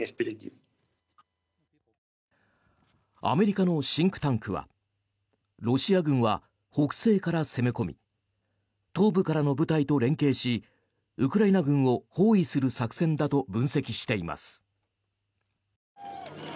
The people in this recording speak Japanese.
アメリカのシンクタンクはロシア軍は北西から攻め込み東部からの部隊と連携しウクライナ軍を包囲する作戦だと